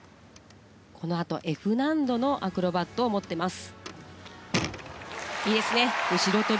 Ｆ難度のアクロバットを持ってます。